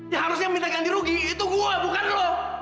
ya harusnya minta ganti rugi itu gue bukan lo